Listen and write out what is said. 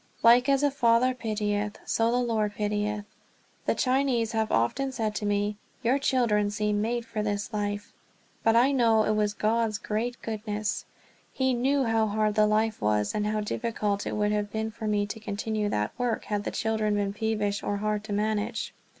"Like as a father pitieth, ... so the Lord pitieth." The Chinese have often said to me, "Your children seem made for this life." But I know it was God's great goodness. He knew how hard the life was, and how difficult it would have been for me to continue that work had the children been peevish or hard to manage.